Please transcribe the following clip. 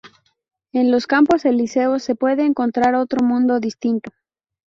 En los Campos Elíseos se puede encontrar otro mundo distinto.